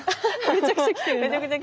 めちゃくちゃ来てるんだ。